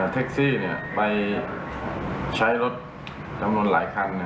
แท็กซี่ไปใช้รถจำนวนหลายคัน